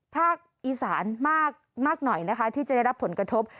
ภาคอีสานมากหน่อยนะคะที่จะได้รับผลกระทบ